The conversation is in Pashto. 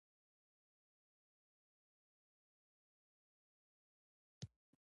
د سیستان جهیل مرغان کډوال دي